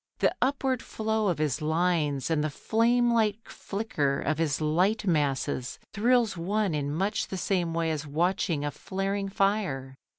The upward flow of his lines and the flame like flicker of his light masses thrills one in much the same way as watching a flaring fire.